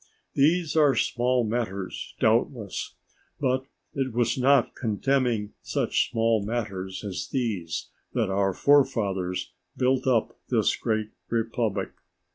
These are small matters doubtless; but it was by not contemning such small matters as these, that our forefathers built up this great republic.